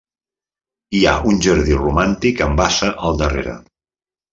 Hi ha un jardí romàntic amb bassa al darrere.